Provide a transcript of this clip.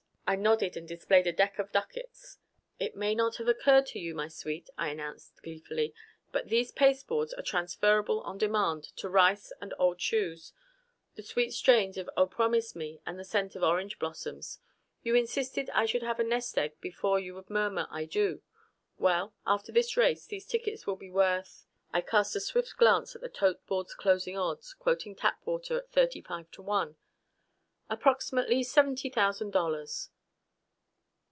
I nodded and displayed a deck of ducats. "It may not have occurred to you, my sweet," I announced gleefully, "but these pasteboards are transferrable on demand to rice and old shoes, the sweet strains of Oh, Promise Me! and the scent of orange blossoms. You insisted I should have a nest egg before you would murmur, 'I do'? Well, after this race these tickets will be worth " I cast a swift last glance at the tote board's closing odds, quoting Tapwater at 35 to 1 "approximately seventy thousand dollars!"